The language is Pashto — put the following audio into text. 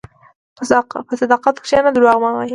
په صداقت کښېنه، دروغ مه وایې.